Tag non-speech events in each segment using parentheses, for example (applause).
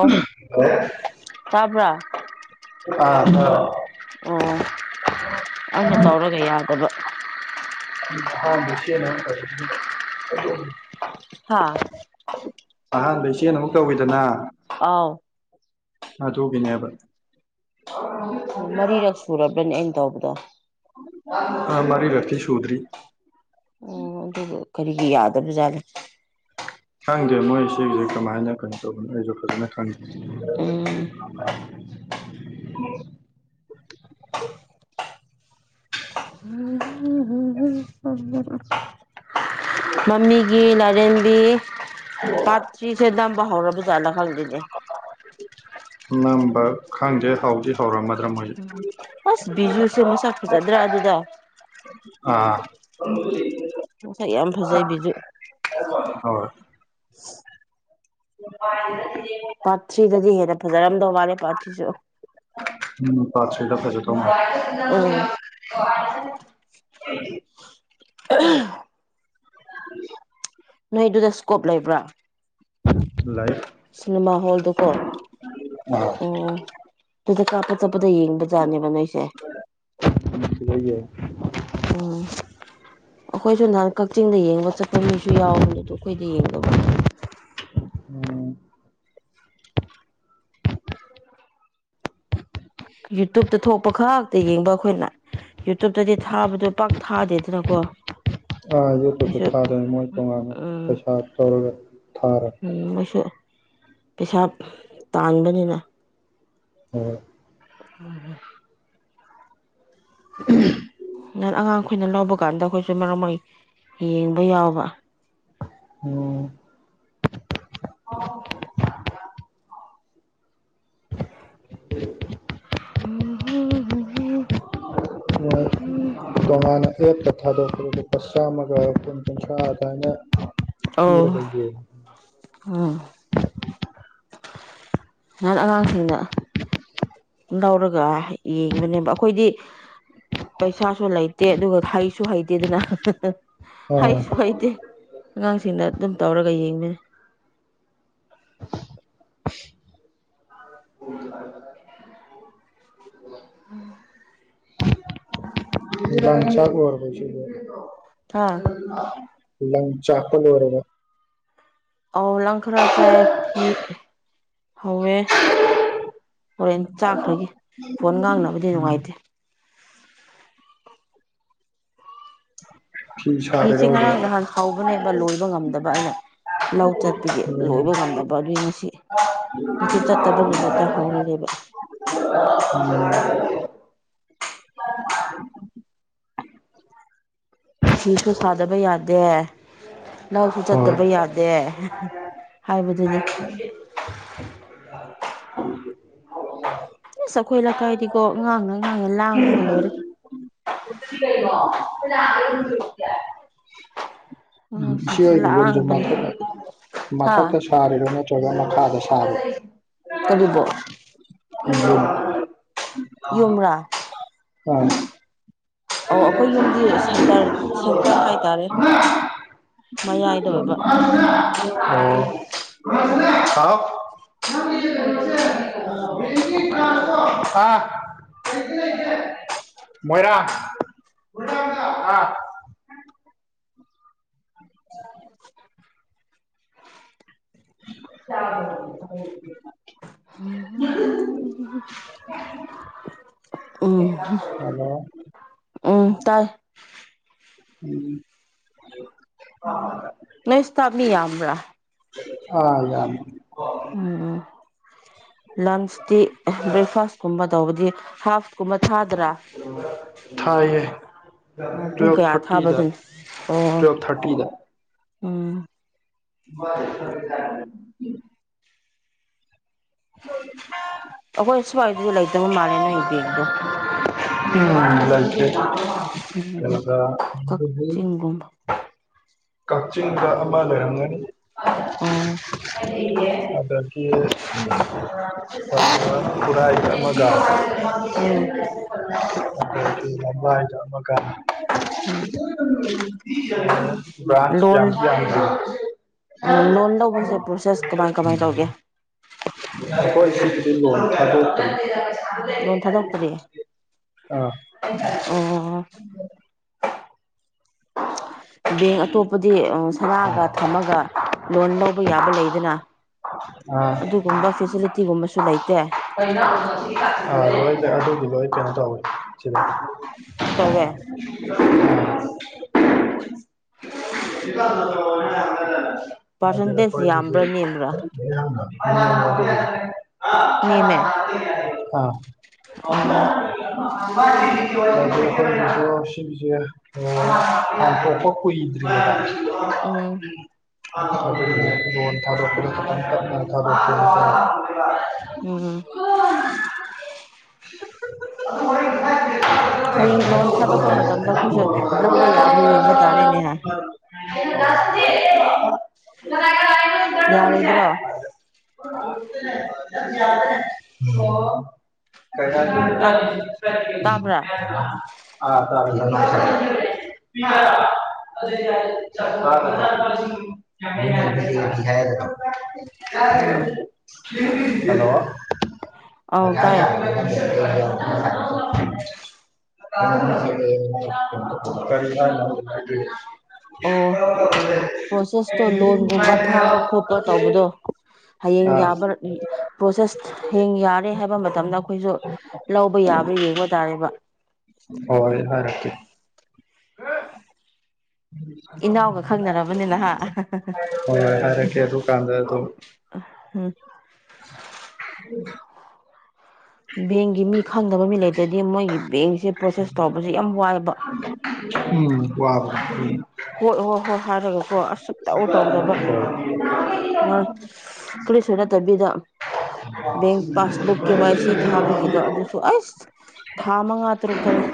ꯑ ꯇꯥꯕ꯭ꯔꯥ ꯑꯥꯗ ꯑꯣ ꯑꯩꯅ ꯇꯧꯔꯒ ꯌꯥꯗꯕ (inaudible) ꯑꯍꯥꯟꯕ ꯆꯦꯟꯅ ꯇ ꯑꯗꯨꯝ ꯍꯥꯥ ꯑꯍꯥꯟꯕ ꯏꯆꯦꯅ ꯑꯃꯨꯛ ꯇꯧꯋꯤꯗꯅ ꯑꯥꯎ ꯑꯗꯨꯒꯤꯅꯦꯕ ꯃꯔꯤꯔꯛꯁꯨꯔ ꯑꯩ ꯇꯧꯕꯗꯣ ꯑ ꯃꯥꯔꯤꯔꯛꯇꯤ ꯁꯨꯗ꯭ꯔꯤ ꯑꯣ ꯑꯗꯨꯒ ꯀꯔꯤꯒꯤ ꯌꯥꯗꯕ ꯖꯥꯠꯅꯣ ꯈꯪꯗꯦ ꯃꯣꯏ ꯁꯤꯁꯦ ꯀꯃꯥꯏꯅ ꯀꯩꯅꯣ ꯇꯧꯕꯅꯣ ꯑꯩꯁꯨ ꯐꯖꯅ ꯈꯪ ꯎꯝ (unintelligible) ꯅꯔꯦꯝꯕꯤ ꯄꯥꯠ ꯊ꯭ꯔꯤꯁꯦ ꯅꯝꯕ ꯍꯧꯔꯝꯃ (unintelligible) (unintelligible) (unintelligible) ꯑꯅꯝꯕ ꯈꯪꯗꯦ ꯍꯧꯗꯤ ꯍꯧꯔꯝꯃꯦ ꯎꯝ ꯑꯁ ꯕꯤꯖꯨꯁꯦ ꯃꯁꯛ ꯐꯖꯗ꯭ꯔꯥ ꯑꯗꯨꯗ ꯑꯥ (inaudible) ꯃꯁꯛ ꯌꯥꯝ ꯐꯖꯩ ꯕꯤꯖꯨ ꯑꯣ ꯄꯥꯔꯠ ꯊ꯭ꯔꯤꯗꯗꯤ ꯍꯦꯟꯅ ꯐꯖꯔꯝꯗꯧ ꯃꯥꯜꯂꯦ ꯄꯥꯔꯠ ꯊ꯭ꯔꯤꯁꯨ ꯄꯥꯔ꯭ꯠ ꯊꯔ꯭ꯤꯗ ꯐꯖꯗꯧ ꯑꯧ ꯃꯥꯜꯂꯦ (inaudible) (unintelligible) (inaudible) ꯅꯣꯏ ꯑꯗꯨꯗ ꯏꯁꯀꯣꯞ ꯂꯩꯕ꯭ꯔꯥ ꯂꯥꯏꯔꯤꯛ ꯁꯤꯅꯦꯃꯥ ꯍꯣꯜꯗꯨꯀꯣ ꯑꯥ ꯎꯝ ꯑꯗꯨꯗ ꯀꯥꯞꯄ ꯆꯠꯄꯗ ꯌꯦꯡꯕꯗ ꯖꯥꯅꯦꯕ ꯅꯣꯏꯁꯦ ꯂꯩꯌꯦ ꯎꯝ ꯑꯩꯈꯣꯏꯁꯨ ꯅꯥꯍꯥꯟ ꯆꯤꯡꯗ ꯌꯦꯡꯕ ꯆꯠꯄ ꯃꯤꯁꯨ ꯌꯥꯎꯕꯅꯦ ꯑꯣ ꯑꯩꯈꯣꯏꯗꯤ ꯌꯦꯡꯗꯕ ꯎꯝ ꯌꯨꯇꯨꯕꯇ ꯊꯣꯛꯄꯈꯛ ꯇ ꯌꯦꯡꯕ ꯑꯩꯈꯣꯏꯅ ꯌꯨꯇꯨꯕꯇꯗꯤ ꯊꯥꯕꯗꯣ ꯄꯥꯛ ꯊꯥꯗꯦꯗꯅꯀꯣ ꯑꯥ ꯌꯨꯇꯨꯕꯇ ꯃꯣꯏꯁꯨ ꯊꯥꯗꯣꯏꯅꯤ ꯃꯣꯏ ꯇꯣꯉꯥꯟꯅ ꯎꯝ ꯄꯩꯁꯥ ꯇꯧꯔꯒ ꯊꯥꯔꯦ ꯎꯝ ꯃꯣꯏꯁꯨ ꯄꯩꯁꯥ ꯇꯥꯟꯕꯅꯤꯅ ꯍꯣꯏ ꯎꯝ (inaudible) ꯑꯉꯥꯡꯈꯣꯏꯅ ꯂꯧꯕ ꯀꯥꯟꯗ ꯑꯩꯈꯣꯏꯁꯨ ꯃꯔꯛ ꯃꯔꯛ ꯌꯦꯡꯕ ꯌꯥꯎꯕ ꯎꯝ ꯑꯣ (inaudible) (inaudible) ꯇꯣꯉꯥꯟꯅ ꯑꯦꯞꯇ ꯊꯥꯗꯣꯛꯄꯗꯨꯗꯤ ꯑꯁ ꯆꯥꯝꯃꯒ ꯀꯨꯟꯊ꯭ꯔꯥ ꯑꯗꯨꯃꯥꯏꯅ ꯑꯧ ꯊꯤꯔꯒ ꯌꯦ ꯎꯝ ꯅꯍꯥꯥꯟ ꯑꯉꯥꯡꯁꯤꯡꯗ ꯂꯧꯔꯒ ꯌꯦꯡꯕꯅꯦꯕ ꯑꯩꯈꯣꯏꯗꯤ ꯄꯩꯁꯥꯁꯨ ꯂꯩꯇꯦ ꯑꯗꯨꯒ ꯍꯩꯁꯨ ꯍꯩꯇꯦꯗꯅ ꯑꯥ ꯍꯩꯁꯨ ꯍꯩꯇꯦ ꯑꯉꯥꯡꯁꯤꯡꯅ ꯑꯗꯨꯝ ꯇꯧꯔꯒ ꯌꯦꯡꯉ (inaudible) (inaudible) ꯅꯨꯡꯗꯥꯡ ꯆꯥꯛ ꯂꯣꯏꯔꯕꯣ ꯏꯆꯦꯕꯨ ꯍꯥꯥ ꯎꯝ ꯂꯪ ꯆꯥꯛꯄ ꯂꯣꯏꯔꯥꯒ ꯑꯣ ꯂꯪ ꯈꯔ ꯆꯥꯛꯑꯦ ꯐꯤ ꯍꯧꯋꯦ ꯍꯣꯔꯦꯟ ꯆꯥꯛꯈ꯭ꯔꯒꯦ ꯐꯣꯟ ꯉꯥꯡꯅꯕꯗꯤ ꯅꯨꯡꯉꯥꯏꯇꯦ (unintelligible) (unintelligible) ꯐꯤꯁꯦ ꯁꯥꯔꯤꯔꯣ ꯉꯔꯥꯡ ꯅꯍꯥꯟ ꯍꯧꯕꯅꯦꯕ ꯍꯧꯖꯤꯛ ꯂꯣꯏꯕ ꯉꯝꯗꯕ ꯑꯩꯅ ꯂꯧ ꯆꯠꯄꯤꯒꯤ ꯎꯝ ꯂꯣꯏꯕ ꯉꯝꯗꯕ ꯑꯗꯨꯏ ꯉꯁꯤ ꯃꯁꯤ ꯆꯠꯇꯕ ꯅꯨꯃꯤꯠꯇ ꯍꯧꯔꯂꯦꯕ (unintelligible) ꯐꯤꯁꯁꯨ ꯁꯥꯗꯕ ꯌꯥꯗ (unintelligible) ꯂꯧꯁꯨ ꯍꯣꯏ ꯆꯠꯇꯕ ꯌꯥꯗꯦ ꯍꯥꯏꯕ (unintelligible) ꯏꯁꯁ ꯑꯩꯈꯣꯏ ꯂꯩꯀꯥꯏꯗꯤꯀꯣ ꯑꯉꯥꯡ ꯅꯪ ꯑꯉꯥꯡ ꯂꯥꯡꯕꯅ ꯂꯣꯏꯔꯦ (unintelligible) ꯏꯆꯦ ꯑꯉꯥꯡꯁꯤꯡꯁꯨ ꯑꯣꯏꯒꯤ ꯌꯨꯝꯁꯦ ꯂꯥꯡꯕꯅ ꯃꯊꯛ ꯍꯥ ꯃꯊꯛꯇ ꯁꯥꯔꯤꯔꯣ ꯅꯠꯇ꯭ꯔꯒ ꯃꯈꯥꯗ ꯁꯥꯔꯤꯔꯣ ꯀꯔꯤꯕꯨ (unintelligible) ꯌꯨꯝ ꯔꯥ ꯑ ꯑꯣ ꯑꯩꯈꯣꯏ ꯌꯨꯝꯗꯤ ꯁꯦꯟꯇꯔ ꯁꯦꯟꯇꯔ ꯍꯥꯏꯇꯥꯔꯦ ꯃꯌꯥꯏꯗ ꯑꯣꯏꯕ ꯑꯣ ꯑꯗꯨꯒꯤ ꯍꯥꯎ ꯑ ꯃꯣꯏꯔꯥꯡ ꯑꯥ (unintelligible) ꯎꯝ (unintelligible) ꯍꯜꯂꯣ ꯇꯥꯏ ꯎꯝ ꯑ (unintelligible) ꯅꯣꯏ ꯏꯁꯇꯞ ꯃꯤꯌꯥꯝꯕꯔꯥ ꯑ ꯌꯥꯝꯃꯦ ꯎꯝ ꯂꯟꯁ ꯕ꯭ꯔꯦꯛꯐꯥꯁꯀꯨꯝꯕ ꯇꯧꯕꯗꯤ ꯍꯥꯐ ꯊꯥꯏꯌꯦ ꯑꯣ ꯄꯨꯡ ꯇꯨꯋꯜꯐ ꯀꯌꯥ ꯊꯥꯔꯇꯤꯗ ꯊꯥꯕꯗꯨꯅꯣ ꯑꯣ ꯇꯨꯋꯜꯐ ꯊꯥꯔꯇꯤꯗ ꯎꯝ (unintelligible) ꯑꯩꯈꯣꯏ ꯁꯨ꯭ꯋꯥꯏꯗꯗꯤ ꯂꯩꯇꯕ ꯃꯥꯜꯂꯦ ꯅꯣꯏ ꯕꯦꯛꯗꯣ (unintelligible) ꯎꯝ ꯀꯩꯅꯀ (unintelligible) ꯀꯛꯆꯤꯡꯒꯨꯝꯕ ꯀꯛꯆꯤꯡꯗ ꯑꯃ ꯂꯩꯔꯝꯒꯅꯤ ꯑꯣ ꯑꯦ (unintelligible) ꯑꯗꯒꯤ ꯈꯨꯔꯥꯏꯗ ꯑꯃꯒ ꯎꯝ ꯑꯗꯒꯤ ꯂꯝꯂꯥꯏꯗ ꯑꯃꯒ ꯎꯝ ꯊ ꯌꯥ (unintelligible) ꯂꯣꯟ ꯌꯥꯝꯁꯨ ꯌꯥꯝ ꯂꯣꯟ ꯂꯧꯕꯁꯦ ꯄ꯭ꯔꯣꯁꯦꯁ ꯀꯃꯥꯏ ꯀꯃꯥꯏ ꯇꯧꯒꯦ ꯑꯩꯈꯣꯏ ꯁꯤꯒꯤꯗꯤ ꯂꯣꯟ ꯊꯥꯗꯣꯛꯇꯦ ꯂꯣꯟ ꯊꯥꯗꯣꯛꯇꯔꯤ ꯑꯥ ꯑꯣ ꯑꯣ ꯕꯦꯡ ꯑꯇꯣꯞꯄꯗꯤ ꯁꯅꯥꯒ ꯊꯝꯃꯒ ꯂꯣꯟ ꯂꯧꯕ ꯌꯥꯕ ꯂꯩꯗꯅ ꯑꯗꯨꯒꯨꯝꯕ ꯐꯦꯁꯤꯂꯤꯇꯤꯒꯨꯝꯕꯁꯨ ꯂꯩ ꯑꯗꯨ (unintelligible) ꯇꯧꯋꯦ (unintelligible) (unintelligible) ꯄꯥꯔꯁꯦꯟꯇꯦꯖ ꯌꯥꯝꯕ꯭ꯔꯥ ꯅꯦꯝꯕ꯭ꯔꯥ ꯣꯏꯁ ꯅꯦꯝꯃꯦ (unintelligible) ꯑꯥ ꯑꯣ ꯁꯨ ꯁꯤꯕꯤꯖ ꯑꯝꯊꯣꯛꯄ ꯎꯝ ꯐꯗ (unintelligible) (inaudible) ꯎꯝ (unintelligible) (unintelligible) ꯎꯝ ꯍ (unintelligible) ꯍꯌꯦꯡ ꯂꯣꯟ ꯊꯥꯗꯣꯛꯄ ꯃꯇꯝꯗ ꯑꯩꯈꯣꯏꯁꯨ ꯂꯧꯕ ꯌꯥꯕ꯭ꯔꯥ ꯌꯦꯡꯕ ꯇꯔꯅꯦ ꯇꯧꯕ ꯍꯥ ꯌꯥꯔꯣꯏꯗ꯭ꯔꯣ ꯇ ꯇꯥꯕ꯭ꯔꯥ ꯑꯥ ꯇꯥꯔꯦ ꯇꯥꯔꯦ (unintelligible) (unintelligible) ꯎꯝ ꯍꯜꯂꯣ ꯑꯧ ꯇꯥꯏ (unintelligible) (unintelligible) (unintelligible) ꯑꯣ ꯄ꯭ꯔꯣꯁꯦꯁꯇꯣ ꯂꯣꯟꯒꯨꯝꯕ ꯊꯥꯕ ꯈꯣꯠꯄ ꯇꯧꯕꯗꯣ ꯑꯥ ꯍꯌꯦꯡ ꯌꯥꯕꯥ ꯄ꯭ꯔꯣꯁꯦꯁ ꯍꯌꯦꯡ ꯌꯥꯔꯦ ꯍꯥꯏꯕ ꯃꯇꯝꯗ ꯑꯩꯈꯣꯏꯁꯨ ꯂꯧꯕ ꯌꯥꯕ꯭ꯔꯥ ꯌꯦꯡꯕ ꯇꯥꯔꯦꯕ ꯍꯣꯏ ꯍꯥꯏꯔꯛꯀꯦ (unintelligible) ꯏꯅꯥꯎꯒ ꯈꯪꯅꯔꯕꯅꯤꯅ ꯍꯥ ꯍꯥꯢꯔꯛꯀꯦ ꯑꯗꯨ ꯀꯥꯟꯗ ꯑꯗꯨ ꯎꯝ ꯕꯦꯡꯒꯤ ꯃꯤ ꯈꯪꯅꯕ ꯃꯤ ꯂꯩꯇ꯭ꯔꯗꯤ ꯃꯣꯏꯒꯤ ꯕꯦꯡꯁꯦ ꯄ꯭ꯔꯣꯁꯦꯁ ꯇꯧꯕꯁꯦ ꯌꯥꯝ ꯋꯥꯏꯑꯕ ꯎꯝ ꯋꯥꯕꯅꯦ ꯎꯝ ꯍꯣꯏ ꯍꯣꯏ ꯍꯣꯏ ꯍꯥꯏꯔꯒꯀꯣ ꯑꯁ ꯁꯨꯡꯇꯧ ꯇꯧꯗꯕ ꯀꯔꯤꯁꯨ ꯅꯠꯇꯕꯤꯗ ꯕꯦꯡ ꯄꯥꯁꯕꯨꯛ ꯀꯦ ꯋꯥꯏ ꯁꯤ ꯊꯥꯕꯤꯈꯤꯕꯗꯣ ꯑꯗꯨꯁꯨ ꯑꯁ ꯊꯥ ꯃꯉꯥ ꯇꯔꯨꯛ ꯆꯪꯉꯤ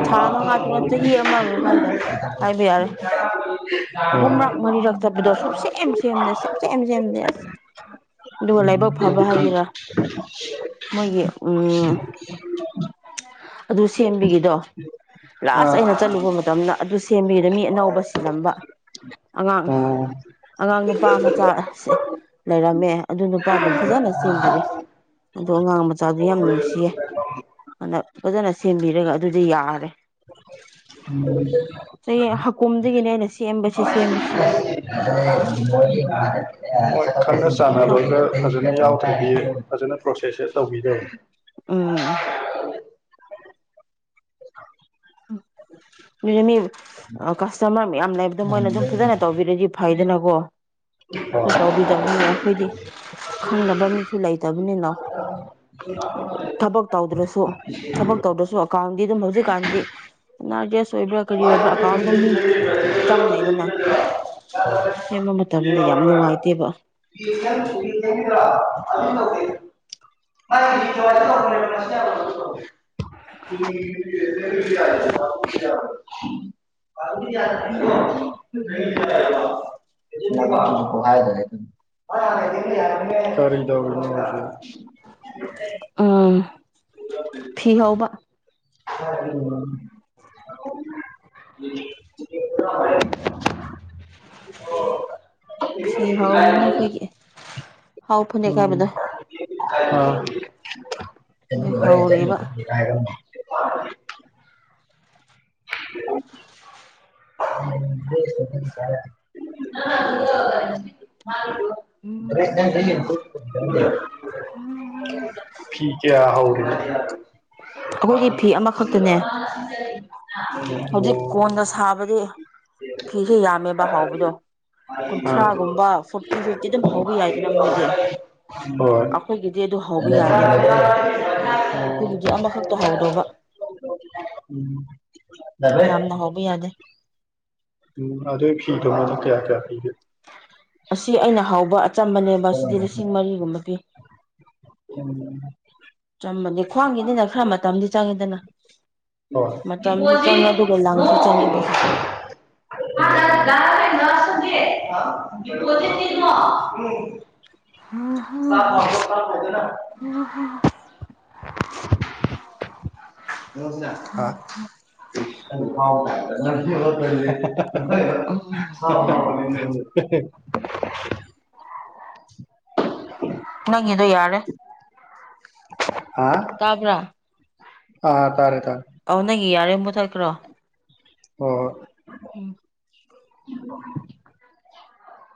ꯍꯣꯏ ꯊꯥ ꯃꯉꯥ ꯇꯔꯨꯛ ꯆꯍꯤ ꯑꯃꯒ ꯍꯥꯏꯗ ꯍꯥꯏꯕ ꯌꯥꯔꯦ ꯑꯍꯨꯝꯔꯛ ꯃꯔꯤꯔꯛ ꯆꯠꯄꯗꯣ ꯁꯨꯛꯁꯦꯝ ꯁꯦꯝꯗꯦ ꯁꯦꯞ ꯁꯦꯝ ꯁꯦꯝꯗꯦ ꯑꯁ ꯑꯗꯨꯒ ꯂꯥꯏꯕꯛ ꯐꯕ ꯍꯥꯏꯒꯦꯔꯥ ꯃꯣꯏꯒꯤ ꯎꯝ ꯑꯗꯨ ꯁꯦꯝꯕꯤꯒꯤ ꯗꯣ ꯂꯥꯁ ꯑꯩꯅ ꯆꯠꯂꯨꯕ ꯃꯇꯝꯗ ꯁꯦꯝꯕꯤꯔꯦ ꯃꯤ ꯑꯅꯧꯕ ꯁꯤꯜꯂꯝꯕ ꯑꯉꯥꯡ ꯑꯉꯥꯡ ꯅꯨꯄꯥ ꯃꯆꯥꯁꯦ ꯂꯩꯔꯝꯃꯦ ꯑꯗꯨ ꯅꯨꯄꯥ ꯑꯗꯨꯝ ꯐꯖꯅ ꯁꯦꯝꯕꯤꯔꯦ ꯑꯣ ꯑꯉꯥꯡ ꯃꯆꯥꯗꯨ ꯌꯥꯝ ꯅꯨꯡꯁꯤꯌꯦ ꯑꯗ ꯐꯖꯅ ꯁꯦꯝꯕꯤꯔꯒ ꯑꯗꯨꯗ ꯌꯥꯔꯦ ꯆꯍꯤ ꯍꯀꯨꯝꯗꯒꯤꯅꯦ ꯑꯩꯅ ꯁꯦꯝꯕꯁꯤ ꯁꯦꯝꯕꯁꯤ (inaudible) ꯈꯪꯅ ꯆꯥꯟꯅꯕꯒ ꯐꯖꯅ ꯌꯥꯎꯗꯔ꯭ꯗꯤ ꯐꯖꯅ ꯄ꯭ꯔꯣꯁꯦꯁꯁꯦ ꯇꯧꯕꯤꯗꯣ ꯎꯝ (inaudible) ꯅꯤ ꯑ ꯀꯁꯇꯃꯔ ꯌꯥꯝꯅ ꯑꯗꯨ ꯃꯣꯏꯅ ꯑꯗꯨꯝ ꯐꯖꯅ ꯇꯧꯕꯤꯔꯗꯤ ꯐꯩꯗꯅꯀꯣ ꯍꯣꯏ ꯇꯧꯕꯤꯗꯕꯅꯤꯅ ꯑꯩꯈꯣꯏꯗꯤ ꯈꯪꯅꯕ ꯃꯤꯁꯨ ꯂꯩꯇꯕꯅꯤꯅ ꯊꯕꯛ ꯇꯧꯗ꯭ꯔꯁꯨ ꯊꯕꯛ ꯇꯧꯗ꯭ꯔꯁꯨ ꯑꯀ ꯗꯤ ꯑꯗꯨꯝ ꯍꯧꯖꯤꯛꯀꯥꯟꯗꯤ (inaudible) ꯑꯣꯏꯕ꯭ꯔꯥ ꯀꯔꯤ ꯑꯣꯏꯕ꯭ꯔꯥ ꯑꯦꯀꯥꯎꯟꯒꯨꯝ ꯃꯤ ꯆꯪꯅꯩꯗꯅ ꯁꯦꯝꯕ ꯃꯇꯝꯗ ꯌꯥꯝ ꯅꯨꯡꯉꯥꯏꯇꯦꯕ (unintelligible) ꯎꯝ (unintelligible) (unintelligible) ꯎꯝ ꯐꯤ ꯍꯧꯕ (unintelligible) ꯐꯤ ꯍꯧꯔꯤꯅ ꯑꯩꯈꯣꯏꯒꯤ (unintelligible) ꯍꯥꯎ ꯐꯅꯦꯛ ꯎꯝ ꯍꯥꯏꯕꯗꯣ ꯑ ꯑꯗꯨ (unintelligible) ꯃꯔꯦꯡ ꯆꯠꯂꯦ ꯍꯧꯔꯤꯕ (unintelligible) (unintelligible) (unintelligible) ꯐꯤ ꯀꯌꯥ ꯍꯧꯔꯤꯅꯣ ꯑꯩꯈꯣꯏꯗꯤ ꯐꯤ ꯑꯃꯈꯛꯇꯅꯦ (unintelligible) ꯍꯧꯖꯤꯛ ꯀꯣꯟꯗ ꯁꯥꯥ ꯐꯤꯁꯦ ꯌꯥꯝꯃꯦꯕ ꯍꯧꯕꯗꯣ ꯀꯨꯟꯊ꯭ꯔꯥꯒꯨꯝꯕ ꯐꯣꯔꯇꯤ ꯐꯤꯐꯇꯤ ꯑꯗꯨꯝ ꯍꯧꯕ ꯌꯥꯏꯗꯅ ꯃꯣꯏꯗꯤ ꯍꯣꯏ ꯑꯈꯣꯏꯒꯤꯗꯤ ꯑꯗꯨ ꯍꯧꯕ ꯎꯝ ꯌꯥꯗꯦ ꯑꯈꯣꯏꯒꯤꯗꯤ ꯑꯃꯈꯛꯇ ꯍꯧꯗꯧꯕ ꯌꯥꯝꯅ ꯍꯧꯕ ꯌꯥꯗꯦ ꯎꯝ ꯑꯗꯨꯏ ꯐꯤꯗꯨ ꯃꯗꯤ ꯀꯌꯥ ꯀꯌꯥ ꯄꯤꯒꯦ ꯑꯁꯤ ꯑꯩꯅ ꯍꯥꯎꯕ ꯇꯝꯕꯅꯦꯕ ꯍꯣꯏ ꯁꯤꯗꯤ ꯂꯤꯁꯤꯡ ꯃꯔꯤꯒꯨꯝꯕ ꯄꯤ ꯑꯆꯝꯕꯅꯦ ꯈ꯭ꯋꯥꯡꯒꯤꯅꯤꯅ (unintelligible) ꯈꯔ ꯃꯇꯝꯗꯤ ꯆꯪꯉꯤꯗꯅ ꯃꯇꯝꯁꯨ ꯆꯪꯉꯦ ꯑꯗꯨꯒ ꯂꯪꯁꯨ ꯗꯤꯄꯣꯖꯤꯠ ꯆꯪꯉꯦꯕ ꯁꯤꯁꯦ (unintelligible) (unintelligible) (unintelligible) (unintelligible) (unintelligible) ꯑꯥ (unintelligible) ꯎꯝ (unintelligible) (unintelligible) ꯅꯪꯒꯤꯗꯣ ꯌꯥꯔꯦ ꯍꯥ ꯇꯥꯕ꯭ꯔ ꯑꯥ ꯇꯥꯔꯦ ꯇꯥꯔꯦ ꯑꯣ ꯅꯪꯒꯤ ꯌꯥꯔꯦ ꯃꯣꯏ (unintelligible) ꯀ꯭ꯔꯣ ꯑꯣ ꯎꯝ ꯎꯝ